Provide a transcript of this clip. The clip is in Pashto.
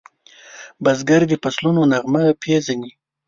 بزګر د فصلونو نغمه پیژني